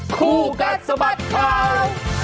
คู่กัดสะบัดข่าว